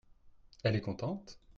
Elle est contente.